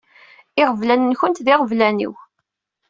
Iɣeblan-nkent d iɣeblan-iw.